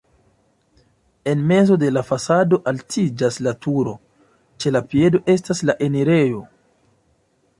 En mezo de la fasado altiĝas la turo, ĉe la piedo estas la enirejo.